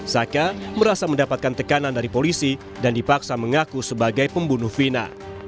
saka merasa mendapatkan tekanan dari polisi dan dipaksa mengaku sebagai pembunuh vina